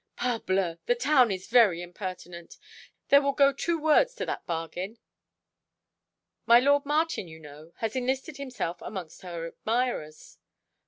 "Parbleu! the town is very impertinent. There will go two words to that bargain." "My lord Martin, you know, has enlisted himself amongst her admirers."